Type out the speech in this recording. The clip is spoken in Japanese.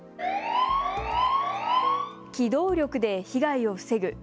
機動力で被害を防ぐ。